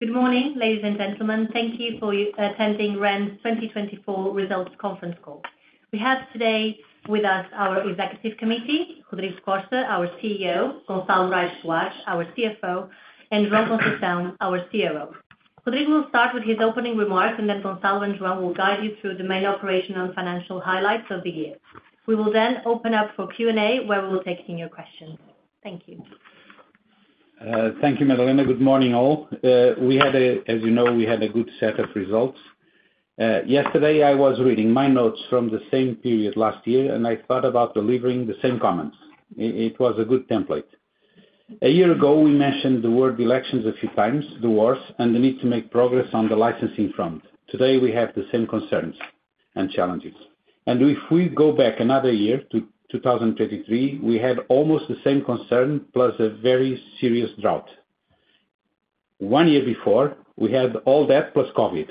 Good morning, ladies and gentlemen. Thank you for attending REN's 2024 Results Conference Call. We have today with us our Executive Committee, Rodrigo Costa, our CEO, Gonçalo Morais Soares, our CFO, and João Conceição, our COO. Rodrigo will start with his opening remarks, and then Gonçalo and João will guide you through the main operational and financial highlights of the year. We will then open up for Q&A, where we will take any questions. Thank you. Thank you, Madalena. Good morning, all. We had a, as you know, we had a good set of results. Yesterday, I was reading my notes from the same period last year, and I thought about delivering the same comments. It was a good template. A year ago, we mentioned the word "elections" a few times, the wars, and the need to make progress on the licensing front. Today, we have the same concerns and challenges, and if we go back another year to 2023, we had almost the same concern, plus a very serious drought. One year before, we had all that plus COVID,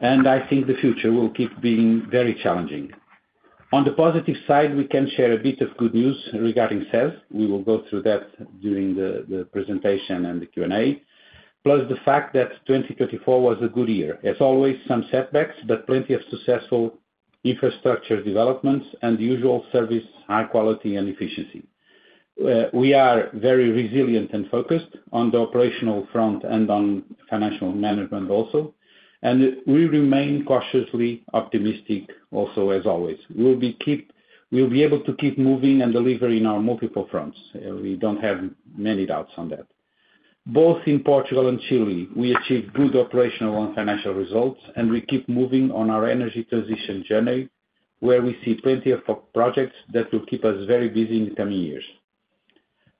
and I think the future will keep being very challenging. On the positive side, we can share a bit of good news regarding CESE. We will go through that during the presentation and the Q&A, plus the fact that 2024 was a good year. As always, some setbacks, but plenty of successful infrastructure developments and usual service, high quality, and efficiency. We are very resilient and focused on the operational front and on financial management also, and we remain cautiously optimistic also, as always. We'll be able to keep moving and delivering on multiple fronts. We don't have many doubts on that. Both in Portugal and Chile, we achieved good operational and financial results, and we keep moving on our energy transition journey, where we see plenty of projects that will keep us very busy in the coming years.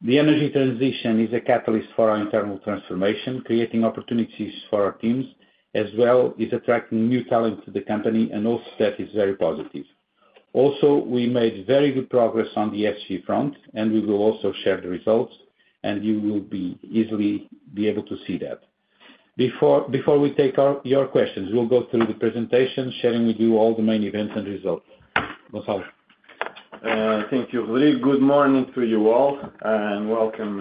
The energy transition is a catalyst for our internal transformation, creating opportunities for our teams, as well as attracting new talent to the company, and also that is very positive. Also, we made very good progress on the ESG front, and we will also share the results, and you will easily be able to see that. Before we take your questions, we'll go through the presentation, sharing with you all the main events and results. Gonçalo. Thank you, Rodrigo. Good morning to you all, and welcome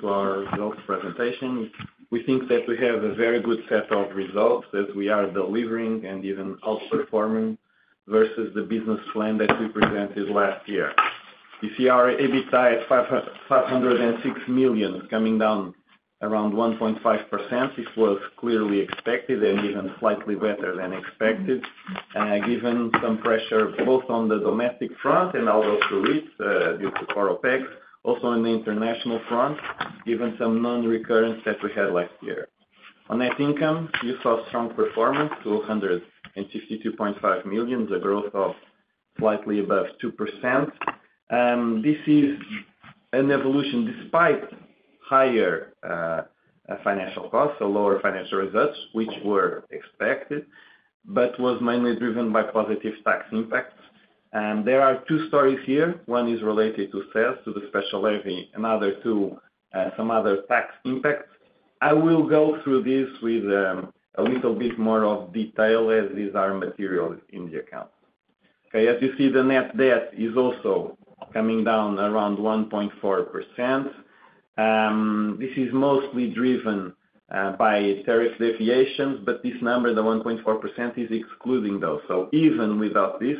to our results presentation. We think that we have a very good set of results that we are delivering and even outperforming versus the business plan that we presented last year. You see, our EBITDA at 506 million is coming down around 1.5%. This was clearly expected and even slightly better than expected, given some pressure both on the domestic front and also through it due to core OPEX, also on the international front, given some non-recurrence that we had last year. On net income, you saw strong performance to 162.5 million, a growth of slightly above 2%. This is an evolution despite higher financial costs or lower financial results, which were expected, but was mainly driven by positive tax impacts. There are two stories here. One is related to CESE, to the special levy, and the other two some other tax impacts. I will go through this with a little bit more of detail as these are materials in the account. As you see, the net debt is also coming down around 1.4%. This is mostly driven by tariff deviations, but this number, the 1.4%, is excluding those. So even without this,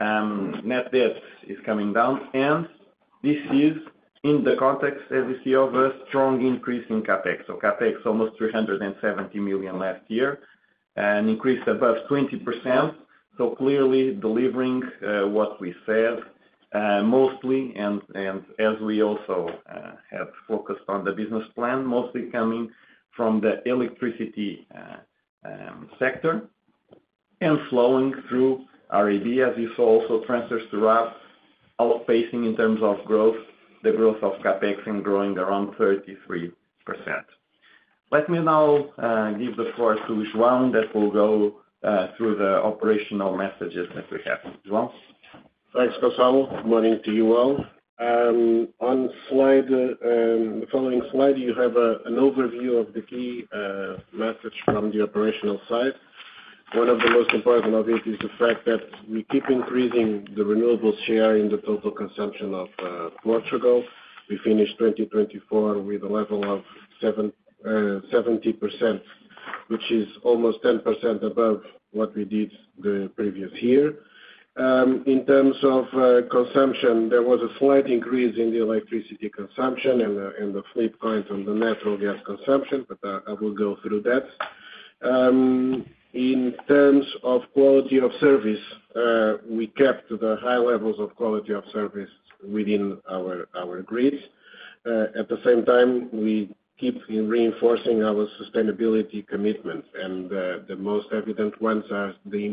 net debt is coming down. And this is in the context, as you see, of a strong increase in CAPEX. So CAPEX, almost 370 million last year, an increase above 20%. So clearly delivering what we said, mostly, and as we also have focused on the business plan, mostly coming from the electricity sector and flowing through RAB, as you saw, also transfers to RAB. Outpacing in terms of growth, the growth of CAPEX and growing around 33%. Let me now give the floor to João that will go through the operational messages that we have. João? Thanks, Gonçalo. Good morning to you all. On the following slide, you have an overview of the key message from the operational side. One of the most important of it is the fact that we keep increasing the renewables share in the total consumption of Portugal. We finished 2024 with a level of 70%, which is almost 10% above what we did the previous year. In terms of consumption, there was a slight increase in the electricity consumption and the flip point on the natural gas consumption, but I will go through that. In terms of quality of service, we kept the high levels of quality of service within our grids. At the same time, we keep reinforcing our sustainability commitment, and the most evident ones are the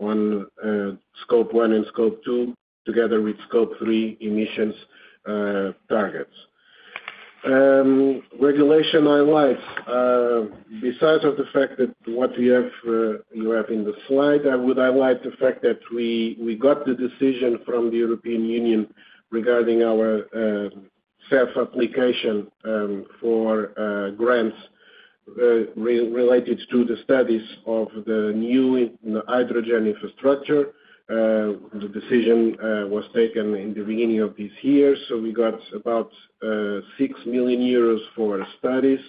improvements on scope one and scope two, together with scope three emissions targets. Regulation highlights, besides the fact that what you have in the slide. I would highlight the fact that we got the decision from the European Union regarding our CESE application for grants related to the studies of the new hydrogen infrastructure. The decision was taken in the beginning of this year, so we got about 6 million euros for studies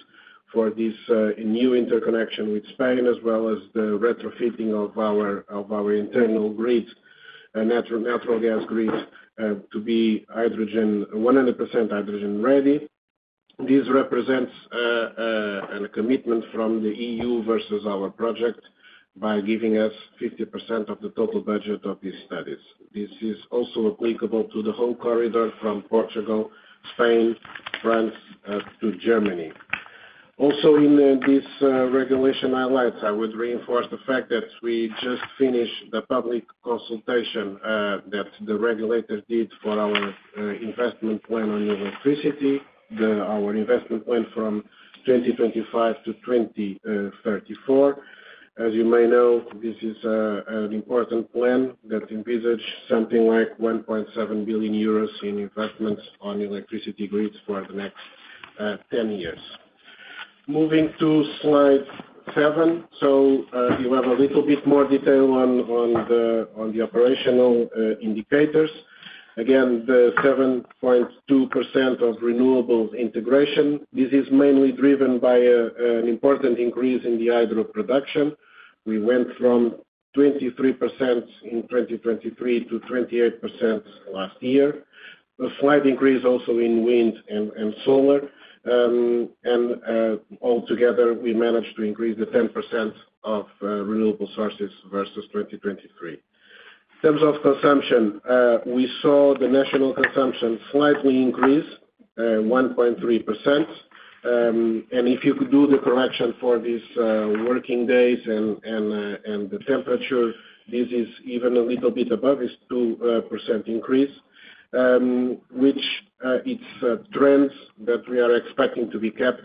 for this new interconnection with Spain, as well as the retrofitting of our internal grid, natural gas grid, to be 100% hydrogen ready. This represents a commitment from the EU versus our project by giving us 50% of the total budget of these studies. This is also applicable to the whole corridor from Portugal, Spain, France, to Germany. Also, in this regulation highlights, I would reinforce the fact that we just finished the public consultation that the regulator did for our investment plan on electricity, our investment plan from 2025 to 2034. As you may know, this is an important plan that envisages something like 1.7 billion euros in investments on electricity grids for the next 10 years. Moving to slide seven, so you have a little bit more detail on the operational indicators. Again, the 7.2% of renewables integration. This is mainly driven by an important increase in the hydro production. We went from 23% in 2023 to 28% last year, a slight increase also in wind and solar. Altogether, we managed to increase the 10% of renewable sources versus 2023. In terms of consumption, we saw the national consumption slightly increase, 1.3%. If you could do the correction for these working days and the temperature, this is even a little bit above this 2% increase, which it's a trend that we are expecting to be kept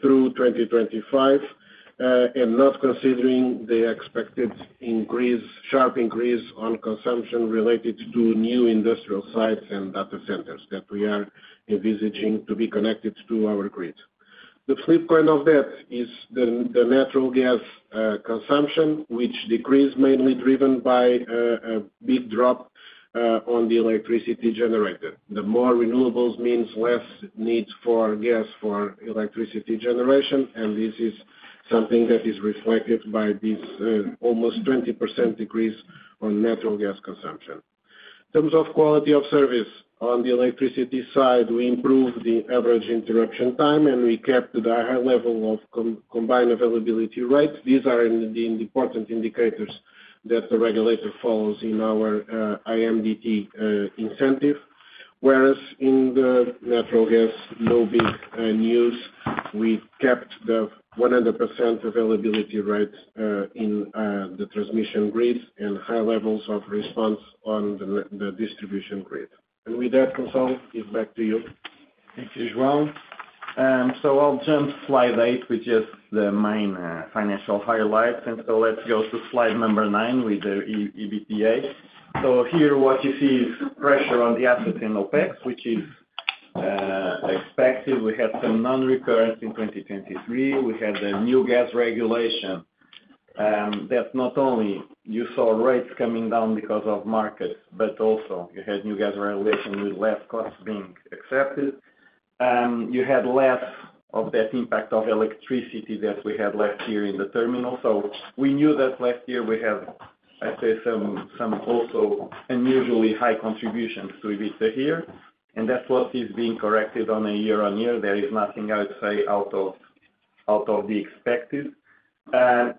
through 2025 and not considering the expected sharp increase on consumption related to new industrial sites and data centers that we are envisaging to be connected to our grid. The flip point of that is the natural gas consumption, which decreased mainly driven by a big drop on the electricity generated. The more renewables means less need for gas for electricity generation, and this is something that is reflected by this almost 20% decrease on natural gas consumption. In terms of quality of service on the electricity side, we improved the average interruption time, and we kept the high level of combined availability rates. These are the important indicators that the regulator follows in our IMDT incentive. Whereas in the natural gas, no big news. We kept the 100% availability rate in the transmission grid and high levels of response on the distribution grid. And with that, Gonçalo, it's back to you. Thank you, João. So I'll jump to slide eight, which is the main financial highlights. And so let's go to slide number nine with the EBITDA. So here, what you see is pressure on the assets in OPEX, which is expected. We had some non-recurrence in 2023. We had the new gas regulation that not only you saw rates coming down because of markets, but also you had new gas regulation with less costs being accepted. You had less of that impact of electricity that we had last year in the terminal. So we knew that last year we had, I'd say, some also unusually high contributions to EBITDA here. And that's what is being corrected on a year-on-year. There is nothing, I would say, out of the expected.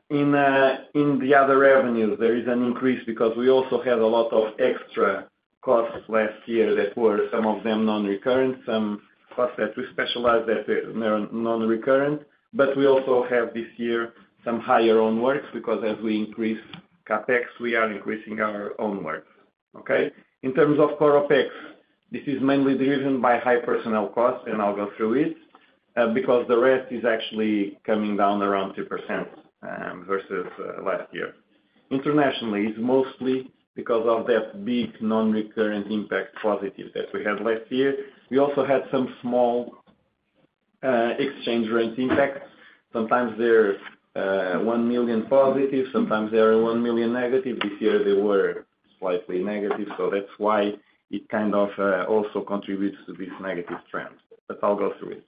In the other revenues, there is an increase because we also had a lot of extra costs last year that were some of them non-recurrent, some costs that we incurred that were non-recurrent. But we also have this year some higher OPEX because as we increase CAPEX, we are increasing our OPEX. In terms of OPEX, this is mainly driven by high personnel costs, and I'll go through it because the rest is actually coming down around 2% versus last year. Internationally, it's mostly because of that big positive non-recurrent impact that we had last year. We also had some small exchange rate impacts. Sometimes they're one million positive, sometimes they're one million negative. This year, they were slightly negative. So that's why it kind of also contributes to this negative trend. But I'll go through it.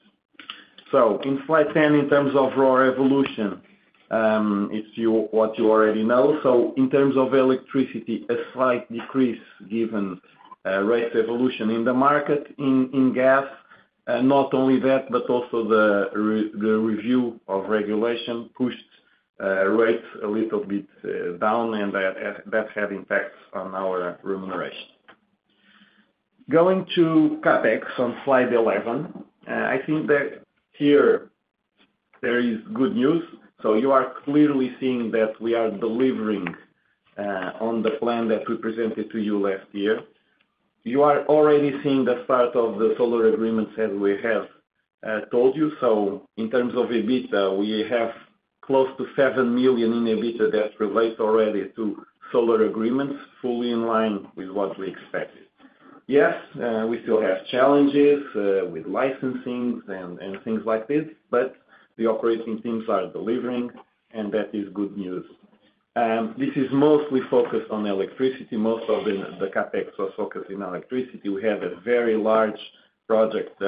So in slide 10, in terms of RoR evolution, it's what you already know. So in terms of electricity, a slight decrease given RoR evolution in the market, in gas. Not only that, but also the review of regulation pushed RoR a little bit down, and that had impacts on our remuneration. Going to CAPEX on slide 11, I think that here there is good news. So you are clearly seeing that we are delivering on the plan that we presented to you last year. You are already seeing the start of the solar agreements as we have told you. So in terms of EBITDA, we have close to 7 million in EBITDA that relates already to solar agreements, fully in line with what we expected. Yes, we still have challenges with licensing and things like this, but the operating teams are delivering, and that is good news. This is mostly focused on electricity. Most of the CapEx was focused in electricity. We had a very large project,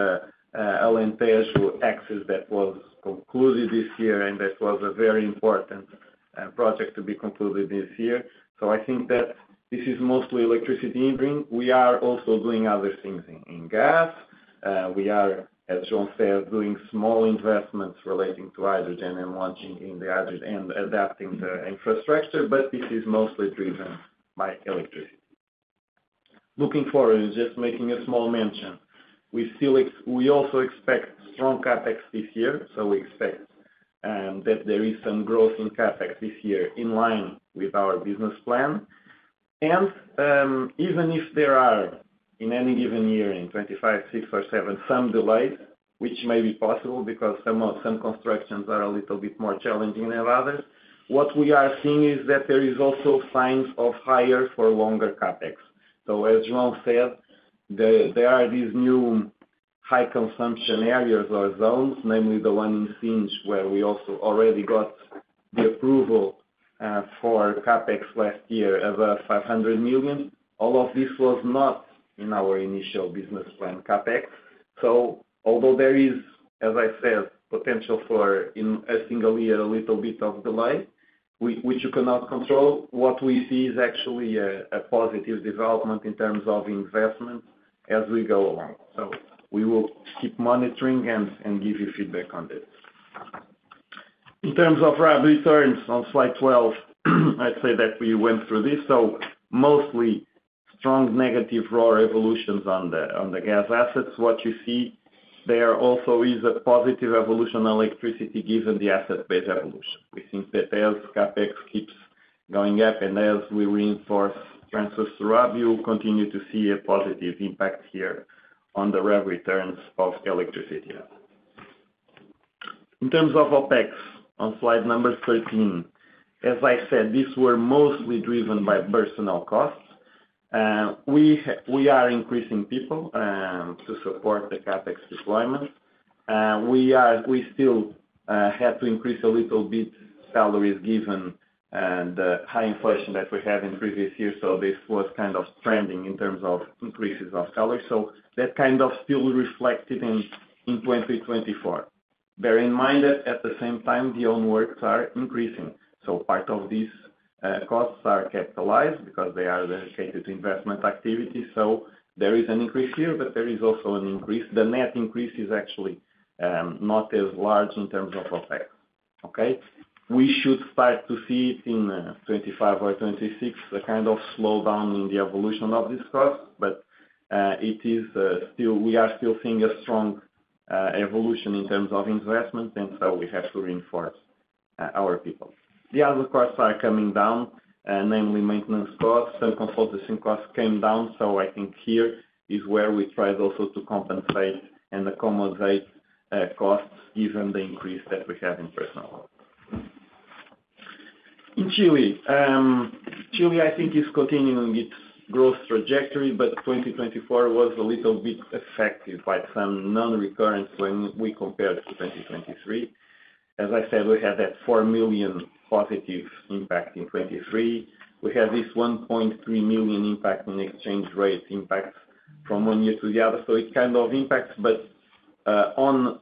Alentejo Axis, that was concluded this year, and that was a very important project to be concluded this year. So I think that this is mostly electricity in green. We are also doing other things in gas. We are, as João said, doing small investments relating to hydrogen and launching in the hydrogen and adapting the infrastructure, but this is mostly driven by electricity. Looking forward, just making a small mention, we also expect strong CapEx this year. So we expect that there is some growth in CapEx this year in line with our business plan. And even if there are, in any given year in 2025, 2026, or 2027, some delays, which may be possible because some constructions are a little bit more challenging than others, what we are seeing is that there are also signs of higher for longer CAPEX. So as João said, there are these new high consumption areas or zones, namely the one in Sines where we also already got the approval for CAPEX last year of 500 million. All of this was not in our initial business plan CAPEX. So although there is, as I said, potential for, in a single year, a little bit of delay, which you cannot control, what we see is actually a positive development in terms of investment as we go along. So we will keep monitoring and give you feedback on this. In terms of RAB returns on slide 12, I'd say that we went through this, so mostly strong negative RoR evolutions on the gas assets. What you see there also is a positive evolution on electricity given the asset base evolution. We think that as CAPEX keeps going up and as we reinforce transfers to RAB, you will continue to see a positive impact here on the RAB returns of electricity. In terms of OPEX on slide 13, as I said, these were mostly driven by personnel costs. We are increasing people to support the CAPEX deployment. We still had to increase a little bit salaries given the high inflation that we had in previous years, so this was kind of trending in terms of increases of salaries, so that kind of still reflected in 2024. Bear in mind that at the same time, the awards are increasing. Part of these costs are capitalized because they are dedicated to investment activity. There is an increase here, but there is also an increase. The net increase is actually not as large in terms of OPEX. We should start to see it in 2025 or 2026, a kind of slowdown in the evolution of this cost, but we are still seeing a strong evolution in terms of investment, and so we have to reinforce our people. The other costs are coming down, namely maintenance costs. Consultation costs came down. I think here is where we tried also to compensate and accommodate costs given the increase that we have in personnel. In Chile, Chile is continuing its growth trajectory, but 2024 was a little bit affected by some non-recurring when we compared to 2023. As I said, we had that four million positive impact in 2023. We had this 1.3 million impact in exchange rate impact from one year to the other. It kind of impacts, but under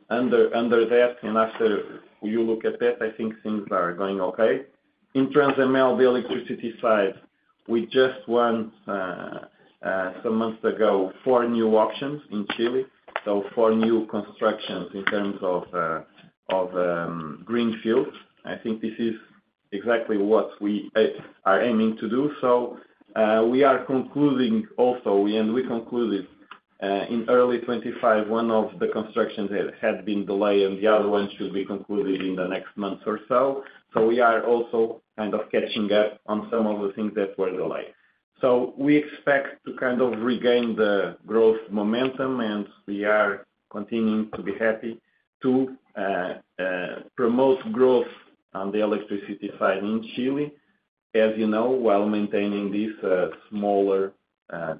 that and after you look at that, I think things are going okay. In terms of our electricity side, we just won some months ago four new auctions in Chile, so four new constructions in terms of greenfield. I think this is exactly what we are aiming to do. We are concluding also, and we concluded in early 2025, one of the constructions had been delayed, and the other one should be concluded in the next month or so. We are also kind of catching up on some of the things that were delayed. We expect to kind of regain the growth momentum, and we are continuing to be happy to promote growth on the electricity side in Chile, as you know, while maintaining this smaller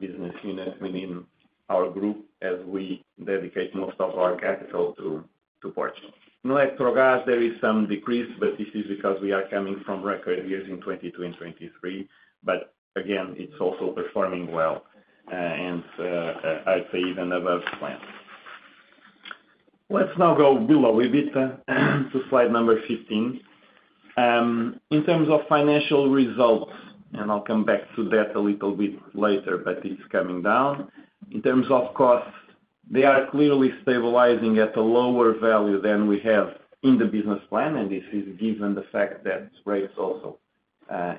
business unit, meaning our group, as we dedicate most of our capital to Portugal. In electricity and gas, there is some decrease, but this is because we are coming from record years in 2022 and 2023. But again, it's also performing well, and I'd say even above plan. Let's now go below EBITDA to slide number 15. In terms of financial results, and I'll come back to that a little bit later, but it's coming down. In terms of costs, they are clearly stabilizing at a lower value than we have in the business plan, and this is given the fact that rates also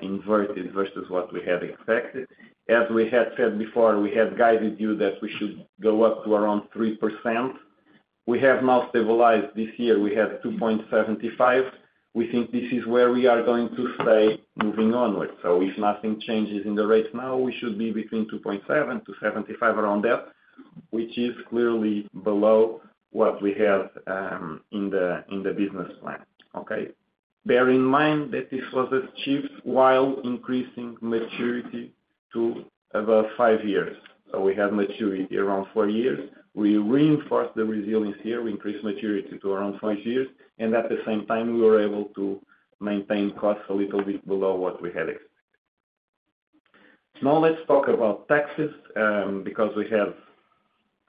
inverted versus what we had expected. As we had said before, we had guided you that we should go up to around 3%. We have now stabilized this year. We had 2.75%. We think this is where we are going to stay moving onwards, so if nothing changes in the rates now, we should be between 2.7 to 75 around that, which is clearly below what we had in the business plan. Bear in mind that this was achieved while increasing maturity to about five years, so we had maturity around four years. We reinforced the resilience here. We increased maturity to around five years. And at the same time, we were able to maintain costs a little bit below what we had expected. Now let's talk about taxes because we have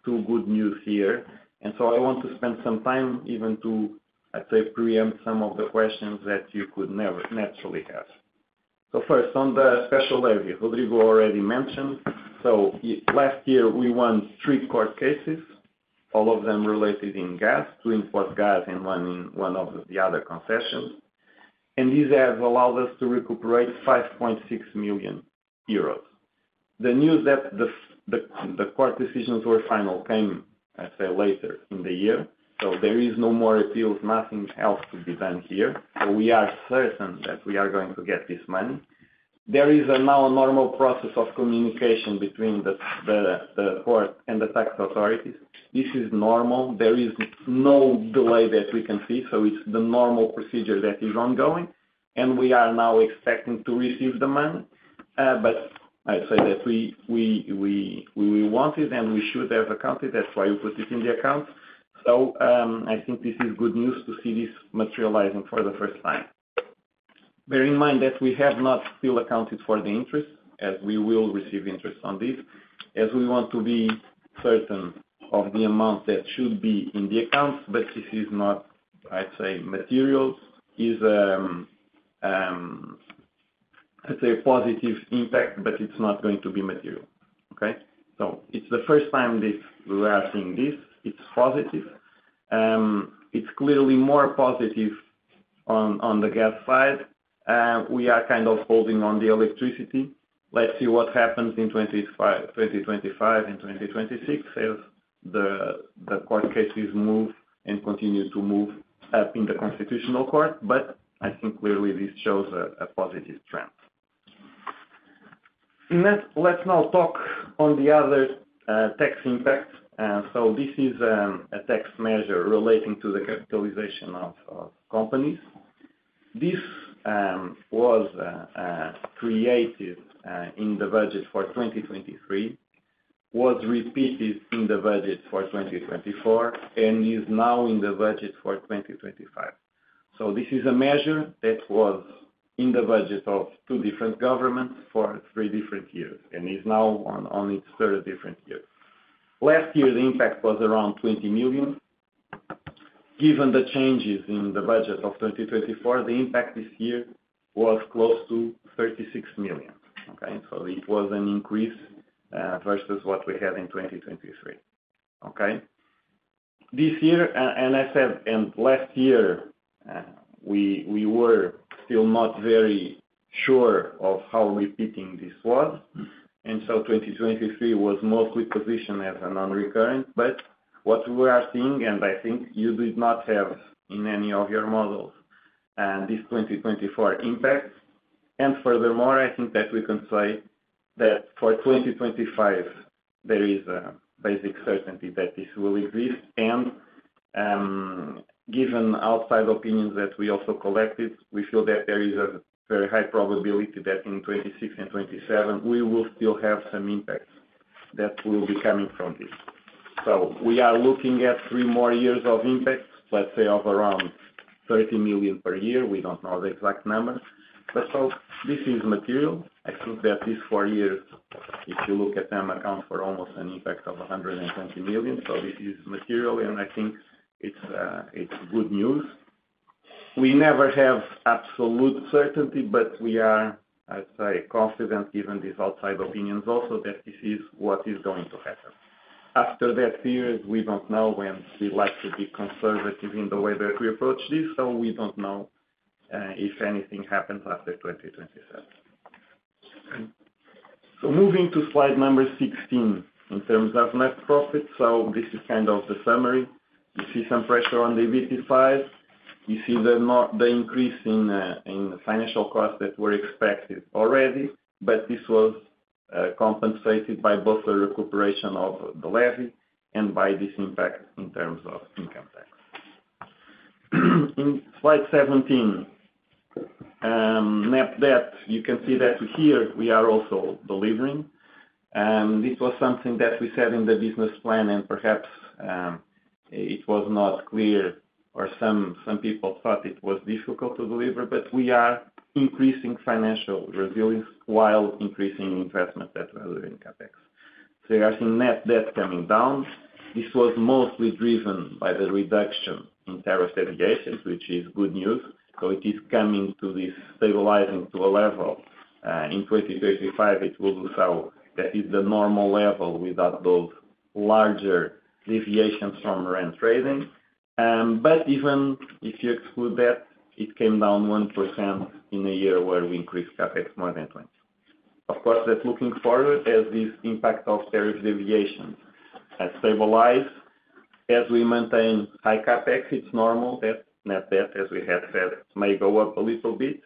two good news here. And so I want to spend some time even to, I'd say, preempt some of the questions that you could naturally have. So first, on the special levy, Rodrigo already mentioned. So last year, we won three court cases, all of them related in gas, two in Portgás and one in one of the other concessions. And these have allowed us to recuperate 5.6 million euros. The news that the court decisions were final came, I'd say, later in the year. So there is no more appeals, nothing else to be done here. So we are certain that we are going to get this money. There is now a normal process of communication between the court and the tax authorities. This is normal. There is no delay that we can see. So it's the normal procedure that is ongoing. And we are now expecting to receive the money. But I'd say that we want it and we should have accounted. That's why we put it in the account. So I think this is good news to see this materializing for the first time. Bear in mind that we have not still accounted for the interest, as we will receive interest on this, as we want to be certain of the amount that should be in the accounts. But this is not, I'd say, material. It's a positive impact, but it's not going to be material. So it's the first time that we are seeing this. It's positive. It's clearly more positive on the gas side. We are kind of holding on the electricity. Let's see what happens in 2025 and 2026 as the court cases move and continue to move up in the constitutional court. But I think clearly this shows a positive trend. Let's now talk on the other tax impact. So this is a tax measure relating to the capitalization of companies. This was created in the budget for 2023, was repeated in the budget for 2024, and is now in the budget for 2025. So this is a measure that was in the budget of two different governments for three different years and is now on its third different year. Last year, the impact was around 20 million. Given the changes in the budget of 2024, the impact this year was close to 36 million. So it was an increase versus what we had in 2023. This year, and I said, and last year, we were still not very sure of how repeating this was. And so 2023 was mostly positioned as a non-recurrent. But what we are seeing, and I think you did not have in any of your models, this 2024 impact. And furthermore, I think that we can say that for 2025, there is a basic certainty that this will exist. And given outside opinions that we also collected, we feel that there is a very high probability that in 2026 and 2027, we will still have some impacts that will be coming from this. So we are looking at three more years of impacts, let's say, of around 30 million per year. We don't know the exact number. But so this is material. I think that these four years, if you look at them, account for almost an impact of 120 million. So this is material, and I think it's good news. We never have absolute certainty, but we are, I'd say, confident given these outside opinions also that this is what is going to happen. After that period, we don't know when we'd like to be conservative in the way that we approach this. So we don't know if anything happens after 2027. So moving to slide number 16 in terms of net profit. So this is kind of the summary. You see some pressure on the EBITDA side. You see the increase in financial costs that were expected already, but this was compensated by both the recuperation of the levy and by this impact in terms of income tax. In slide 17, net debt, you can see that here we are also delivering. This was something that we said in the business plan, and perhaps it was not clear, or some people thought it was difficult to deliver, but we are increasing financial resilience while increasing investment that we are doing in CapEx. So you are seeing net debt coming down. This was mostly driven by the reduction in tariff deviations, which is good news. So it is coming to this stabilizing to a level. In 2025, it will look so that is the normal level without those larger deviations from REN Trading. But even if you exclude that, it came down 1% in a year where we increased CapEx more than 20. Of course, that's looking forward as this impact of tariff deviations has stabilized. As we maintain high CapEx, it's normal that net debt, as we had said, may go up a little bit.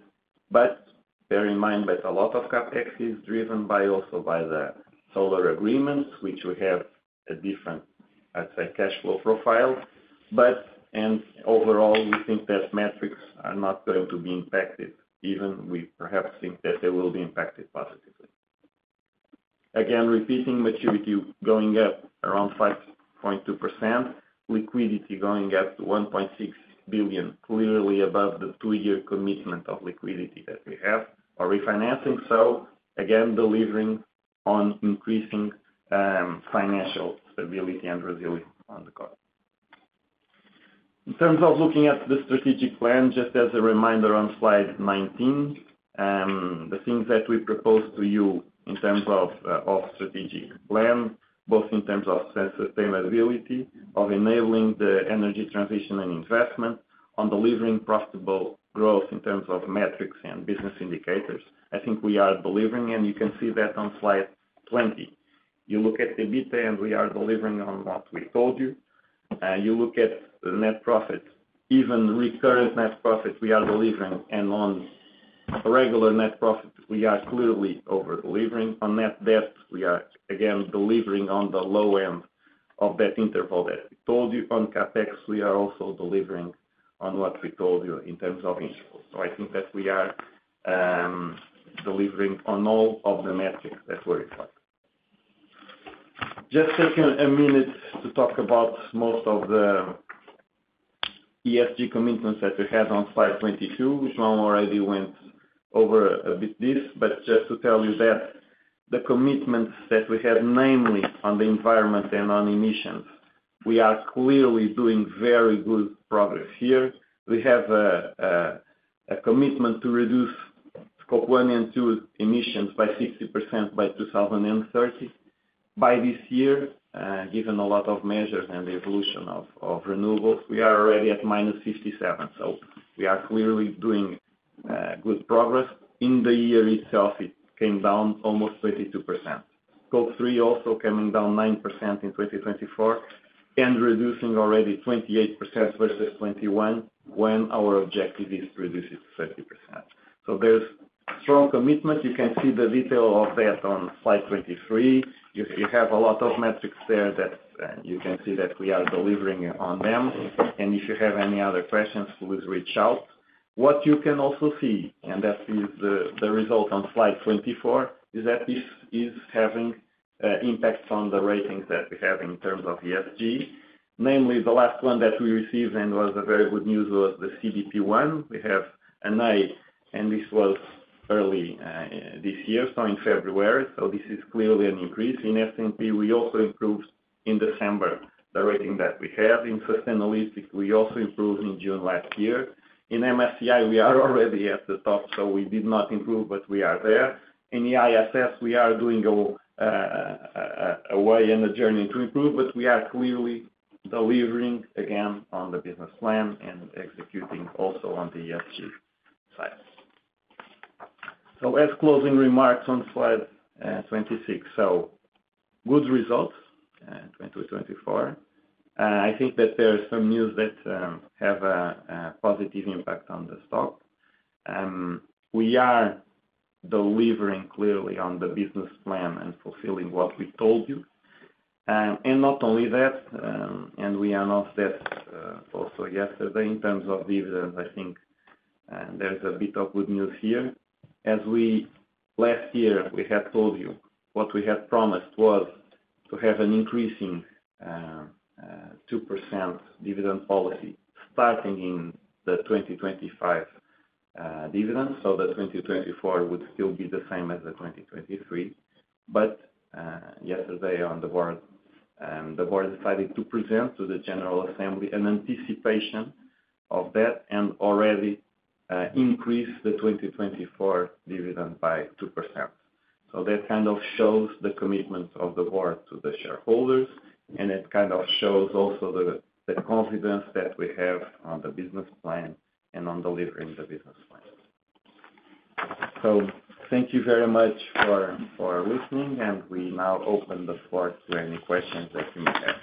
But bear in mind that a lot of CAPEX is driven by also by the solar agreements, which we have a different, I'd say, cash flow profile. But overall, we think that metrics are not going to be impacted, even we perhaps think that they will be impacted positively. Again, repeating maturity going up around 5.2%, liquidity going up to 1.6 billion, clearly above the two-year commitment of liquidity that we have or refinancing. So again, delivering on increasing financial stability and resilience on the court. In terms of looking at the strategic plan, just as a reminder on slide 19, the things that we proposed to you in terms of strategic plan, both in terms of sustainability, of enabling the energy transition and investment, on delivering profitable growth in terms of metrics and business indicators, I think we are delivering. And you can see that on slide 20. You look at EBITDA, and we are delivering on what we told you. You look at net profits, even recurrent net profits, we are delivering. And on regular net profits, we are clearly over delivering. On net debt, we are again delivering on the low end of that interval that we told you. On CAPEX, we are also delivering on what we told you in terms of interval. So I think that we are delivering on all of the metrics that were required. Just taking a minute to talk about most of the ESG commitments that we had on slide 22. João already went over a bit this, but just to tell you that the commitments that we had, namely on the environment and on emissions, we are clearly doing very good progress here. We have a commitment to reduce Scope 1 and 2 emissions by 60% by 2030. By this year, given a lot of measures and the evolution of renewables, we are already at -57%. So we are clearly doing good progress. In the year itself, it came down almost 22%. Scope 3 also coming down 9% in 2024 and reducing already 28% versus 2021 when our objective is to reduce it to 30%. So there's strong commitment. You can see the detail of that on slide 23. You have a lot of metrics there that you can see that we are delivering on them. And if you have any other questions, please reach out. What you can also see, and that is the result on slide 24, is that this is having impacts on the ratings that we have in terms of ESG. Namely, the last one that we received and was very good news was the CDP. We have an A, and this was early this year, so in February. So this is clearly an increase. In S&P, we also improved in December the rating that we have. In sustainability, we also improved in June last year. In MSCI, we are already at the top. So we did not improve, but we are there. In ISS ESG, we are on our way and on a journey to improve, but we are clearly delivering again on the business plan and executing also on the ESG side. So as closing remarks on Slide 26, so good results in 2024. I think that there's some news that have a positive impact on the stock. We are delivering clearly on the business plan and fulfilling what we told you. And not only that, we announced this also yesterday. In terms of dividends, I think there's a bit of good news here. As last year, we had told you what we had promised was to have an increasing 2% dividend policy starting in the 2025 dividend. So the 2024 would still be the same as the 2023. But yesterday, on the board, the board decided to present to the General Assembly an anticipation of that and already increased the 2024 dividend by 2%. So that kind of shows the commitment of the board to the shareholders, and it kind of shows also the confidence that we have on the business plan and on delivering the business plan. So thank you very much for listening, and we now open the floor to any questions that you may have.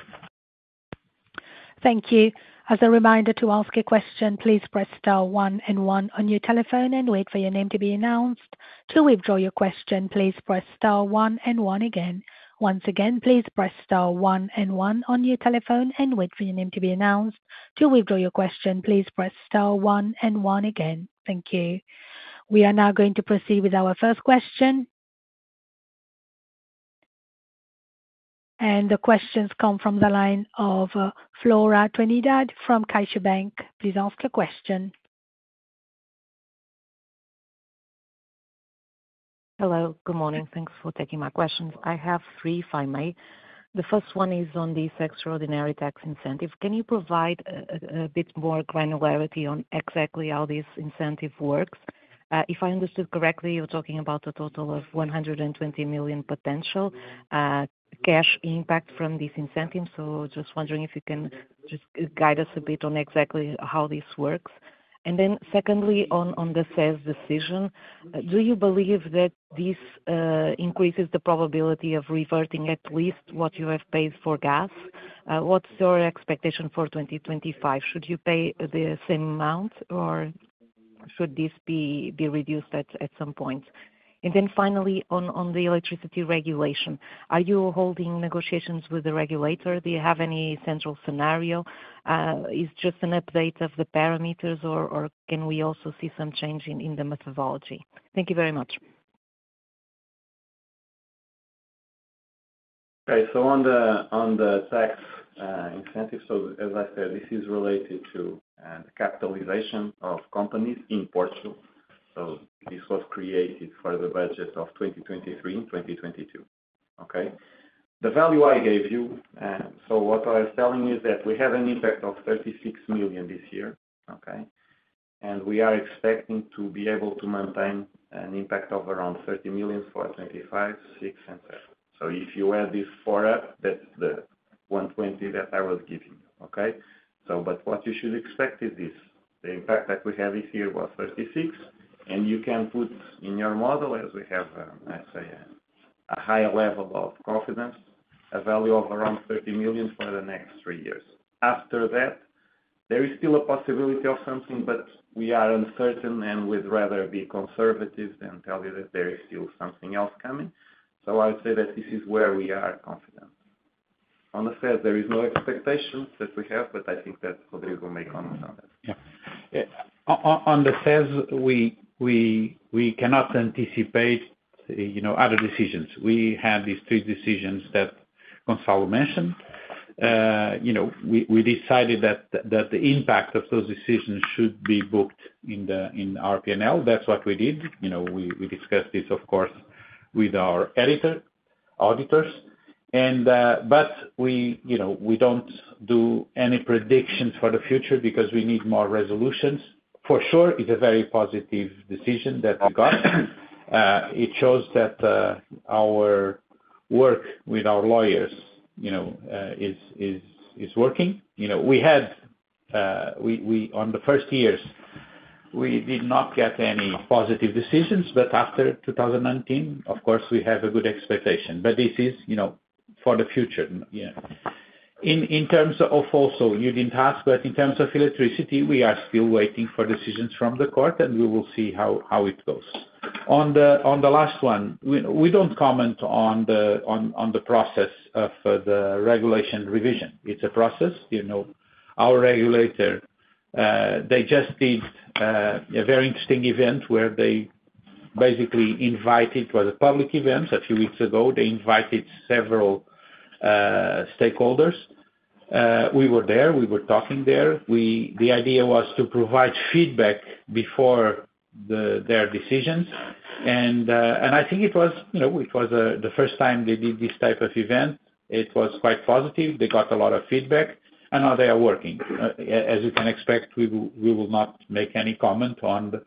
Thank you. As a reminder to ask a question, please press star one and one on your telephone and wait for your name to be announced. To withdraw your question, please press star one and one again. Once again, please press star one and one on your telephone and wait for your name to be announced. To withdraw your question, please press star one and one again. Thank you. We are now going to proceed with our first question. The questions come from the line of Flora Trindade from CaixaBank. Please ask a question. Hello. Good morning. Thanks for taking my questions. I have three if I may. The first one is on this extraordinary tax incentive. Can you provide a bit more granularity on exactly how this incentive works? If I understood correctly, you're talking about a total of 120 million potential cash impact from this incentive. So just wondering if you can just guide us a bit on exactly how this works? Then secondly, on the decision, do you believe that this increases the probability of reverting at least what you have paid for gas? What's your expectation for 2025? Should you pay the same amount, or should this be reduced at some point? And then finally, on the electricity regulation, are you holding negotiations with the regulator? Do you have any central scenario? Is it just an update of the parameters, or can we also see some change in the methodology? Thank you very much. Okay. So on the tax incentive, so as I said, this is related to the capitalization of companies in Portugal. So this was created for the budget of 2023 and 2022. Okay? The value I gave you, so what I was telling you is that we have an impact of 36 million this year. Okay? We are expecting to be able to maintain an impact of around 30 million for 2025, 2026, and 2027. So if you add these four up, that's the 120 million that I was giving you. Okay? But what you should expect is this. The impact that we have this year was 36 million, and you can put in your model, as we have, I'd say, a high level of confidence, a value of around 30 million for the next three years. After that, there is still a possibility of something, but we are uncertain and would rather be conservative than tell you that there is still something else coming. So I would say that this is where we are confident. On the sales, there is no expectation that we have, but I think that Rodrigo may comment on that. Yeah. On the sales, we cannot anticipate other decisions. We had these three decisions that Gonçalo mentioned. We decided that the impact of those decisions should be booked in our P&L. That's what we did. We discussed this, of course, with our external auditors. But we don't do any predictions for the future because we need more resolutions. For sure, it's a very positive decision that we got. It shows that our work with our lawyers is working. On the first years, we did not get any positive decisions, but after 2019, of course, we have a good expectation. But this is for the future. In terms of also, you didn't ask, but in terms of electricity, we are still waiting for decisions from the court, and we will see how it goes. On the last one, we don't comment on the process of the regulation revision. It's a process. Our regulator, they just did a very interesting event where they basically invited. It was a public event a few weeks ago. They invited several stakeholders. We were there. We were talking there. The idea was to provide feedback before their decisions. And I think it was the first time they did this type of event. It was quite positive. They got a lot of feedback. And now they are working. As you can expect, we will not make any comment on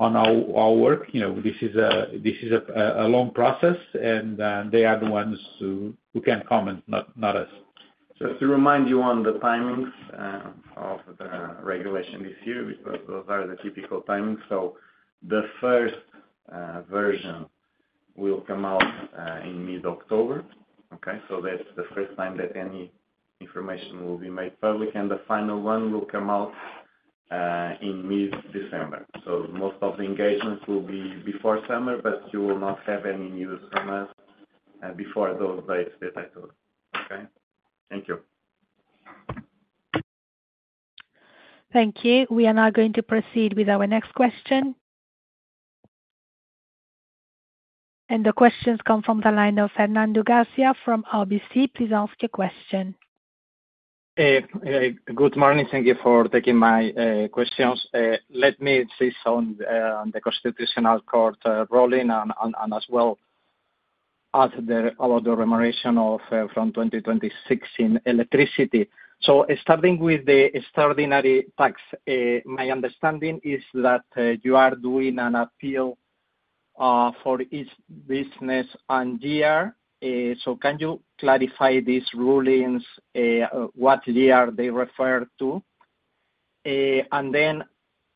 our work. This is a long process, and they are the ones who can comment, not us. So to remind you on the timings of the regulation this year, because those are the typical timings. So the first version will come out in mid-October. Okay? So that's the first time that any information will be made public. And the final one will come out in mid-December. So most of the engagements will be before summer, but you will not have any news from us before those dates that I told you. Okay? Thank you. Thank you. We are now going to proceed with our next question. And the questions come from the line of Fernando Garcia from RBC. Please ask your question. Good morning. Thank you for taking my questions. Let me say something on the Constitutional Court ruling and as well as about the remuneration from 2026 in electricity. So starting with the extraordinary tax, my understanding is that you are doing an appeal for each business and year. So can you clarify these rulings, what year they refer to? And then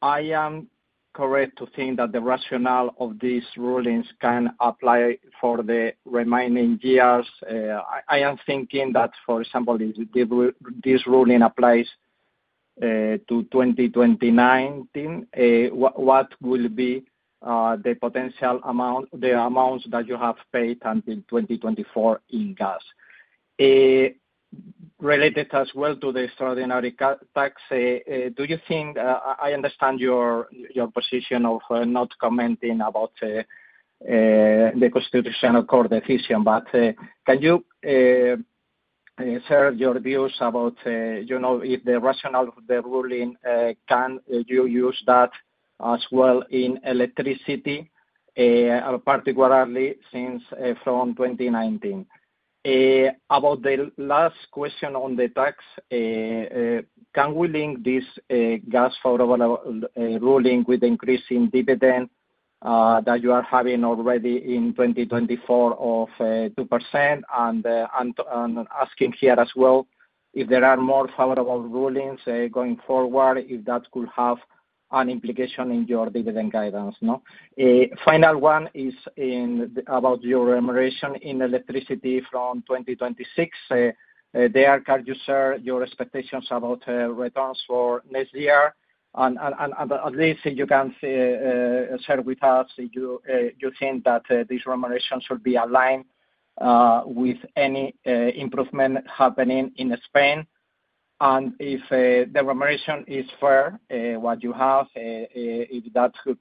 I am correct to think that the rationale of these rulings can apply for the remaining years. I am thinking that, for example, if this ruling applies to 2029, what will be the potential amounts that you have paid until 2024 in gas? Related as well to the extraordinary tax, do you think? I understand your position of not commenting about the Constitutional Court decision, but can you share your views about if the rationale of the ruling can you use that as well in electricity, particularly since from 2019? About the last question on the tax, can we link this gas favorable ruling with the increase in dividend that you are having already in 2024 of 2%? And asking here as well if there are more favorable rulings going forward, if that could have an implication in your dividend guidance. Final one is about your remuneration in electricity from 2026. There can you share your expectations about returns for next year? At least you can share with us if you think that this remuneration should be aligned with any improvement happening in Spain. If the remuneration is fair, what you have, if that could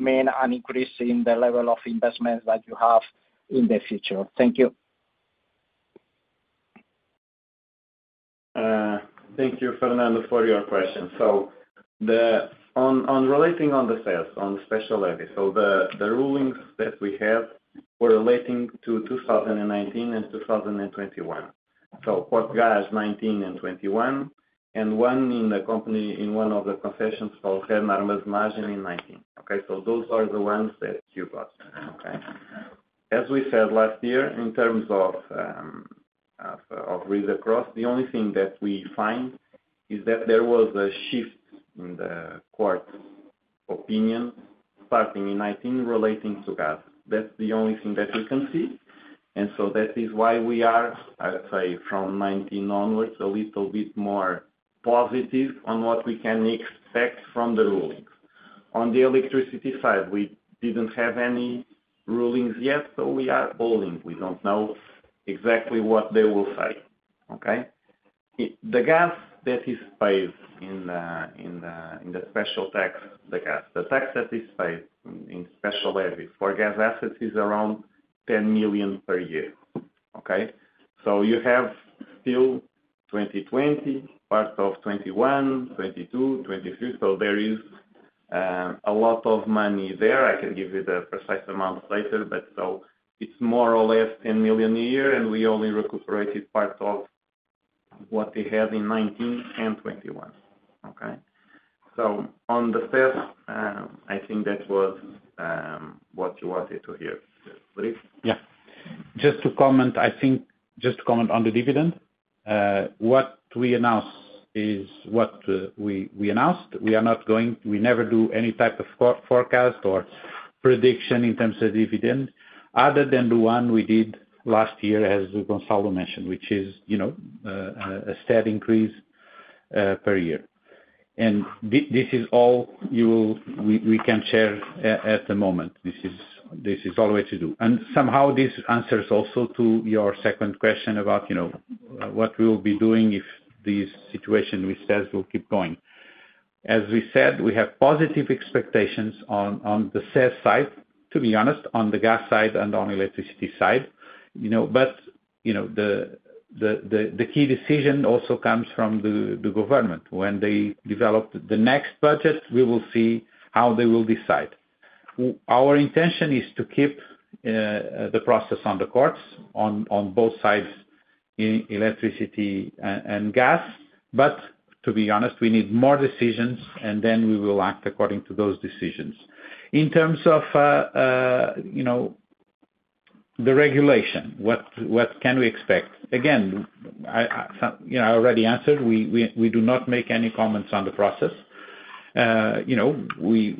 mean an increase in the level of investment that you have in the future. Thank you. Thank you, Fernando, for your question. Relating to the CESE, the special levy. The rulings that we have were relating to 2019 and 2021. Portgás, 2019 and 2021, and one in the company in one of the concessions called Armazenagem in 2019. Okay? Those are the ones that you got. Okay? As we said last year, in terms of read across, the only thing that we find is that there was a shift in the court's opinion starting in 2019 relating to gas. That is the only thing that we can see. So that is why we are, I'd say, from 2019 onwards, a little bit more positive on what we can expect from the rulings. On the electricity side, we didn't have any rulings yet, so we are waiting. We don't know exactly what they will say. Okay? The gas that is paid in the special tax, the gas. The tax that is paid in special levy for gas assets is around 10 million per year. Okay? So you have still 2020, part of 2021, 2022, 2023. So there is a lot of money there. I can give you the precise amount later, but so it's more or less 10 million a year, and we only recuperated part of what they had in 2019 and 2021. Okay? So on the gas, I think that was what you wanted to hear. Yeah. Just to comment, I think, on the dividend, what we announced is what we announced. We never do any type of forecast or prediction in terms of dividend other than the one we did last year, as Gonçalo mentioned, which is a steady increase per year. And this is all we can share at the moment. This is all we have to do. And somehow this answers also to your second question about what we will be doing if this situation with sales will keep going. As we said, we have positive expectations on the sales side, to be honest, on the gas side and on electricity side. But the key decision also comes from the government. When they develop the next budget, we will see how they will decide. Our intention is to keep the process on the courts on both sides, electricity and gas. But to be honest, we need more decisions, and then we will act according to those decisions. In terms of the regulation, what can we expect? Again, I already answered. We do not make any comments on the process. We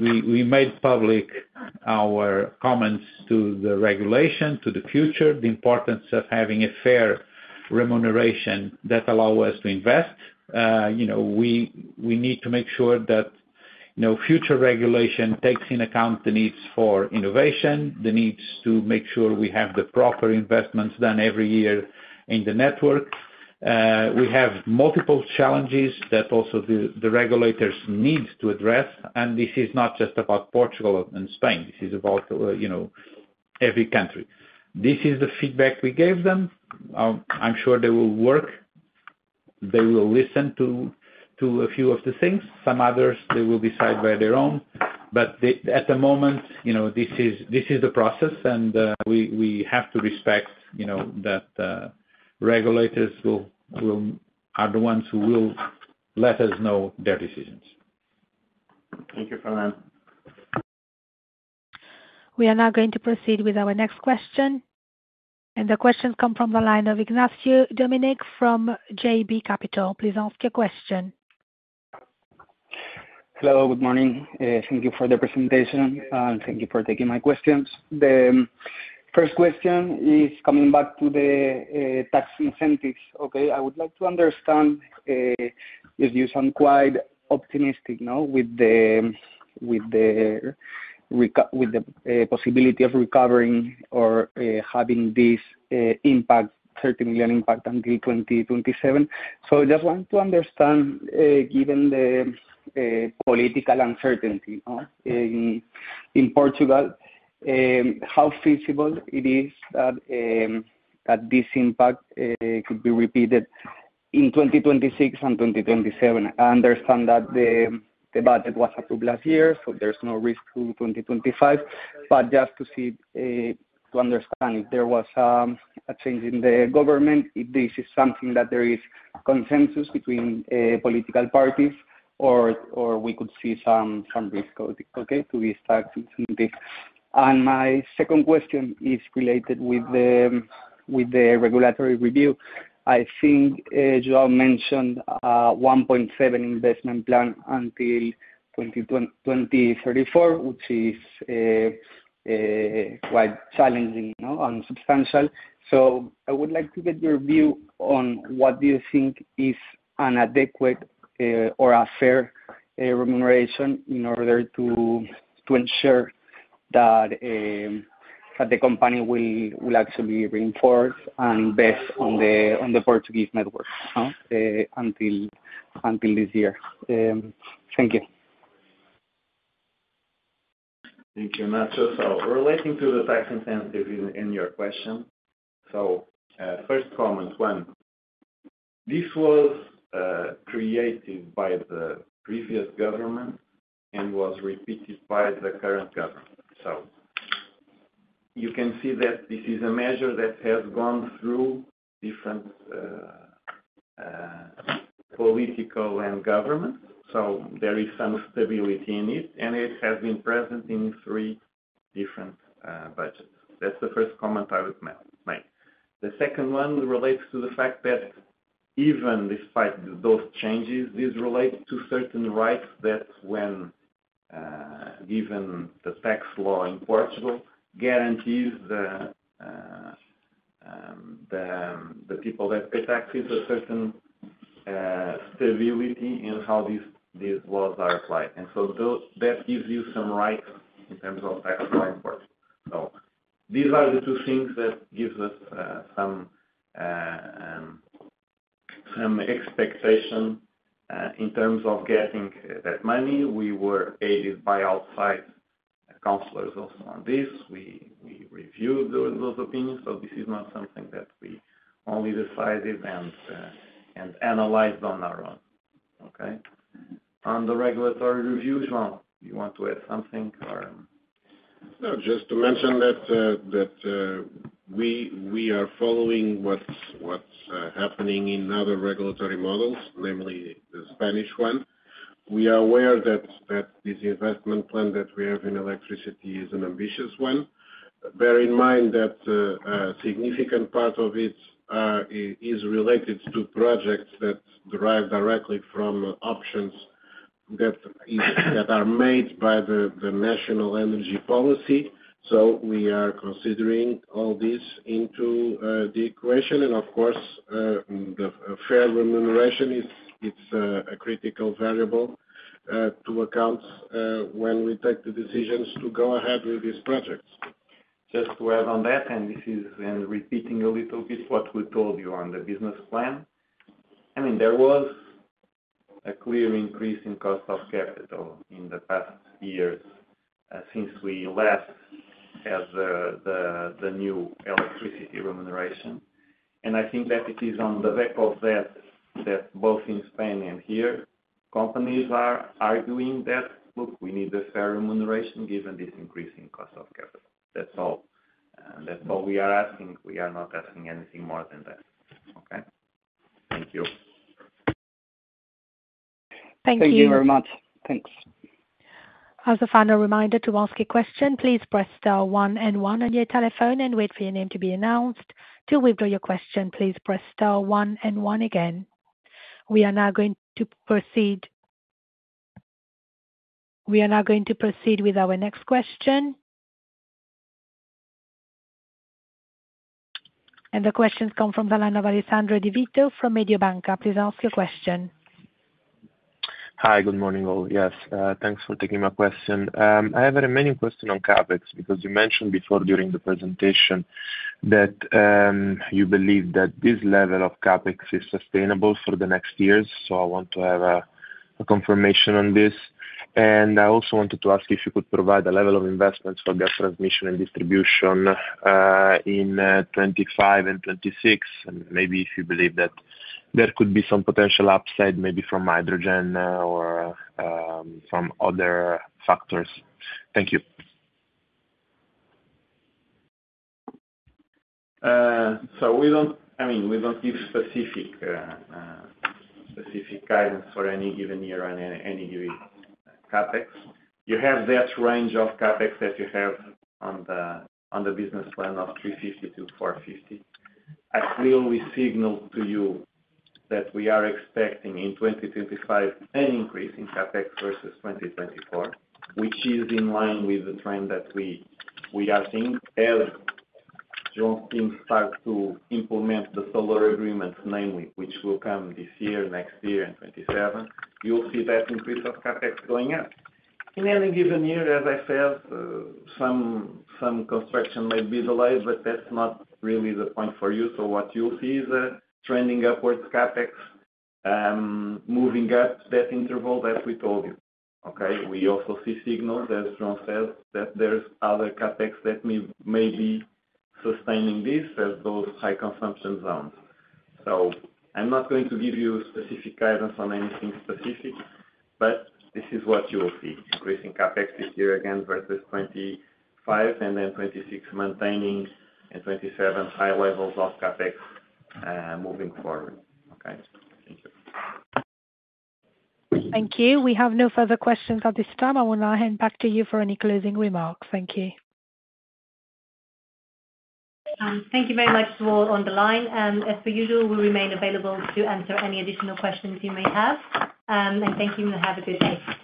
made public our comments to the regulation, to the future, the importance of having a fair remuneration that allows us to invest. We need to make sure that future regulation takes into account the needs for innovation, the needs to make sure we have the proper investments done every year in the network. We have multiple challenges that also the regulators need to address, and this is not just about Portugal and Spain. This is about every country. This is the feedback we gave them. I'm sure they will work. They will listen to a few of the things. Some others, they will decide by their own. But at the moment, this is the process, and we have to respect that regulators are the ones who will let us know their decisions. Thank you, Fernando. We are now going to proceed with our next question, and the questions come from the line of Ignacio Doménech from JB Capital Markets. Please ask your question. Hello. Good morning. Thank you for the presentation, and thank you for taking my questions. The first question is coming back to the tax incentives. Okay? I would like to understand if you sound quite optimistic with the possibility of recovering or having this impact, 30 million impact until 2027. So I just want to understand, given the political uncertainty in Portugal, how feasible it is that this impact could be repeated in 2026 and 2027. I understand that the budget was approved last year, so there's no risk to 2025, but just to understand if there was a change in the government, if this is something that there is consensus between political parties, or we could see some risk, okay, to these tax incentives, and my second question is related with the regulatory review. I think João mentioned a 1.7 investment plan until 2034, which is quite challenging and substantial, so I would like to get your view on what do you think is an adequate or a fair remuneration in order to ensure that the company will actually reinforce and invest on the Portuguese network until this year. Thank you. Thank you, Natchez, so relating to the tax incentive in your question, so first comment, one, this was created by the previous government and was repeated by the current government. You can see that this is a measure that has gone through different politics and governments. There is some stability in it, and it has been present in three different budgets. That's the first comment I would make. The second one relates to the fact that even despite those changes, this relates to certain rights that, when given the tax law in Portugal, guarantees the people that pay taxes a certain stability in how these laws are applied. That gives you some rights in terms of tax law in Portugal. These are the two things that give us some expectation in terms of getting that money. We were aided by outside counselors also on this. We reviewed those opinions. This is not something that we only decided and analyzed on our own. Okay? On the regulatory review, João, you want to add something or? No, just to mention that we are following what's happening in other regulatory models, namely the Spanish one. We are aware that this investment plan that we have in electricity is an ambitious one. Bear in mind that a significant part of it is related to projects that derive directly from options that are made by the national energy policy. So we are considering all this into the equation. And of course, the fair remuneration, it's a critical variable to account when we take the decisions to go ahead with these projects. Just to add on that, and this is repeating a little bit what we told you on the business plan. I mean, there was a clear increase in cost of capital in the past years since we last had the new electricity remuneration. I think that it is on the back of that that both in Spain and here, companies are arguing that, "Look, we need a fair remuneration given this increasing cost of capital." That's all. That's all we are asking. We are not asking anything more than that. Okay? Thank you. Thank you very much. Thanks. As a final reminder to ask a question, please press star one and one on your telephone and wait for your name to be announced. To withdraw your question, please press star one and one again. We are now going to proceed with our next question. And the questions come from Alessandro De Vito from Mediobanca. Please ask your question. Hi. Good morning, all. Yes. Thanks for taking my question.I have a remaining question on CapEx because you mentioned before during the presentation that you believe that this level of CapEx is sustainable for the next years. So I want to have a confirmation on this. And I also wanted to ask if you could provide a level of investment for gas transmission and distribution in 2025 and 2026, and maybe if you believe that there could be some potential upside maybe from hydrogen or from other factors. Thank you. So I mean, we don't give specific guidance for any given year on any given CapEx. You have that range of CapEx that you have on the business plan of 350-450. As we always signal to you that we are expecting in 2025 an increase in CapEx versus 2024, which is in line with the trend that we are seeing. As João's team starts to implement the solar agreement, namely, which will come this year, next year, and 2027, you'll see that increase of CapEx going up. In any given year, as I said, some construction might be delayed, but that's not really the point for you. So what you'll see is a trending upwards CapEx moving up that interval that we told you. Okay? We also see signals, as João said, that there's other CapEx that may be sustaining this as those high consumption zones. So I'm not going to give you specific guidance on anything specific, but this is what you will see: increasing CapEx this year again versus 2025, and then 2026 maintaining, and 2027 high levels of CapEx moving forward. Okay? Thank you. Thank you. We have no further questions at this time. I will now hand back to you for any closing remarks. Thank you. Thank you very much to all on the line. As per usual, we'll remain available to answer any additional questions you may have. And thank you, and have a good day.